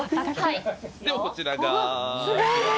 ではこちらが。